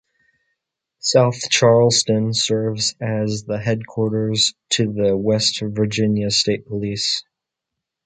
South Charleston serves as the headquarters to the West Virginia State Police.